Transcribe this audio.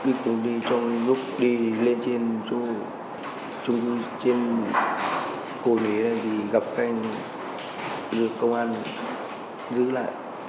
thu giữ một giao gấp kìm thủy lực các loại và vam phạm hóa xe